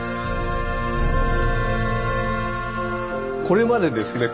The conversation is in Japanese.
これまでですね